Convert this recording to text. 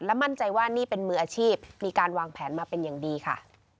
มั่นใจว่านี่เป็นมืออาชีพมีการวางแผนมาเป็นอย่างดีค่ะ